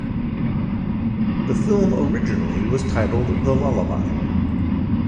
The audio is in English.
The film originally was titled "The Lullaby".